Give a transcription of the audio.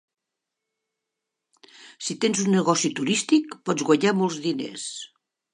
Si tens un negoci turístic, pots guanyar molts diners.